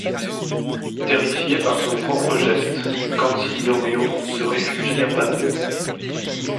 Terrifié par son propre geste, Cansignorio se réfugie à Padoue.